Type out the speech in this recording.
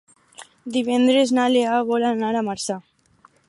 Divendres na Lea vol anar a Marçà.